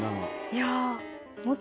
いや。